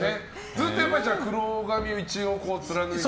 ずっと黒髪を一応貫いて？